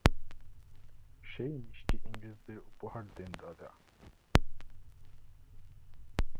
সেই মিষ্টি ইংরেজদের উপহার দেন রাজা।